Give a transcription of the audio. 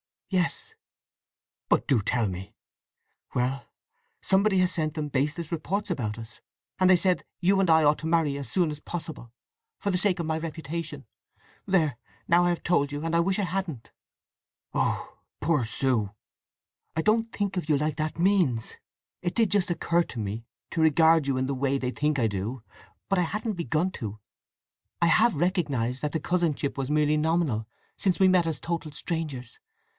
"Yes." "But do tell me!" "Well—somebody has sent them baseless reports about us, and they say you and I ought to marry as soon as possible, for the sake of my reputation! … There—now I have told you, and I wish I hadn't!" "Oh, poor Sue!" "I don't think of you like that means! It did just occur to me to regard you in the way they think I do, but I hadn't begun to. I have recognized that the cousinship was merely nominal, since we met as total strangers.